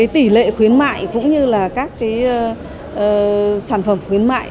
tỷ lệ khuyến mại cũng như các sản phẩm khuyến mại